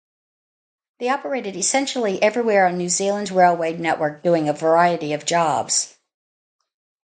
They operated essentially everywhere on New Zealand's railway network doing a variety of jobs.